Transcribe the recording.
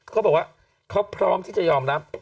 เขาบอกว่าเขาพร้อมที่จะยอมรับ